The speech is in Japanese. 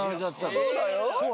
そうだよ。